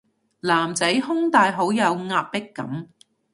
男仔胸大好有壓迫感